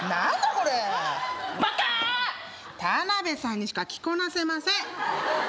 これバカ！田辺さんにしか着こなせません